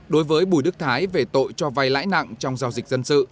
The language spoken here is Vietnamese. đối với bùi đức thái về tội cho vay lãi nặng trong giao dịch dân sự